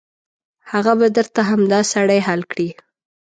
هغه به درته همدا سړی حل کړي.